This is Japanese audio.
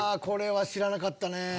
これは知らなかったね。